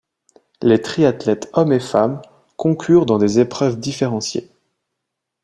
Les triathlètes hommes et femmes concurrent dans des épreuves différenciées.